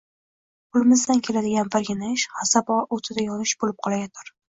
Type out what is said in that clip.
Qo‘limizdan keladigan birgina ish g‘azab o‘tida yonish bo‘lib qolayotir